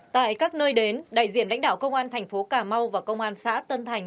tại các nơi đến đại diện lãnh đạo công an thành phố cà mau và công an xã tân thành